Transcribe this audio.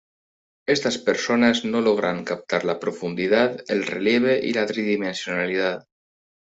Estas personas no logran captar la profundidad, el relieve y la tridimensionalidad.